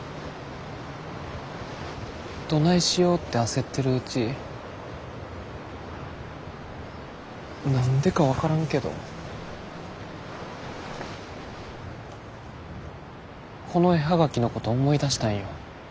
どないしようて焦ってるうち何でか分からんけどこの絵葉書のこと思い出したんよ。